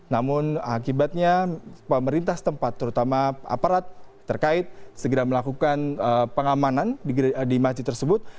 namun akibatnya pemerintah setempat terutama aparat terkait segera melakukan pengamanan di masjid tersebut